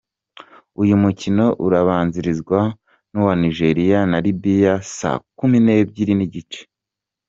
Uyu mukino urabanzirizwa n’uwa Nigeria na Libya saa kumi n’ebyiri n’igice.